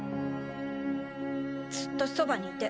ずっとそばにいて。